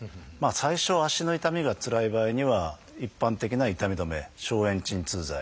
最初足の痛みがつらい場合には一般的な痛み止め消炎鎮痛剤。